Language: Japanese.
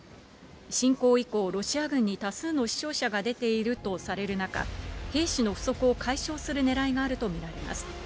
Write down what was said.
侵攻以降、ロシア軍に多数の死傷者が出ているとされる中、兵士の不足を解消するねらいがあると見られます。